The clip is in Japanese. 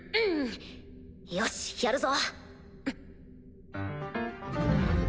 よしやるぞ！